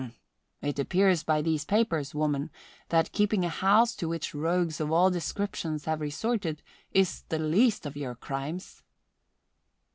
"Hm! It appears by these papers, woman, that keeping a house to which rogues of all descriptions have resorted is the least of your crimes."